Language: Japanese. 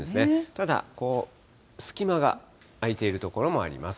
ただ、こう、隙間が空いている所もあります。